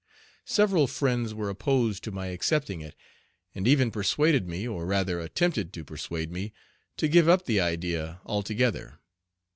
Several friends were opposed to my accepting it, and even persuaded me, or rather attempted to persuade me, to give up the idea altogether.